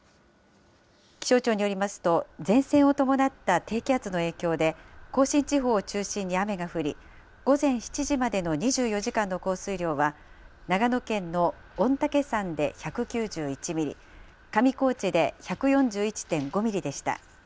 気象庁によりますと、前線を伴った低気圧の影響で、甲信地方を中心に雨が降り、午前７時までの２４時間の降水量は、長野県の御嶽山で１９１ミリ、上高地で１４１．５ミリでした。